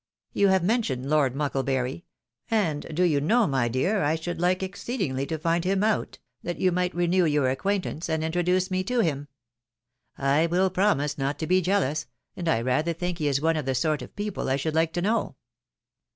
You have mentioned Lord Mucklebury ; and do you know, my dear, I should hke exceed ingly to find him out, that you might renew your acquaintance, and introduce me to him. I will promise not to be jealous, and I rather think he is one of the sort of people I should hke to know."